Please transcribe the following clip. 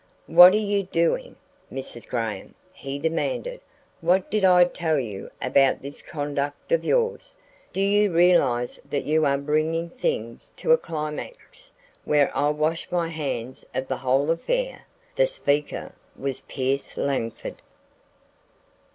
"What are you doing, Mrs. Graham?" he demanded. "What did I tell you about this conduct of yours? Do you realize that you are bringing things to a climax where I'll wash my hands of the whole affair?" The speaker was Pierce Langford.